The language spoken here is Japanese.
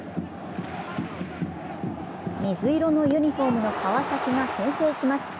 水色のユニフォームの川崎が先制します。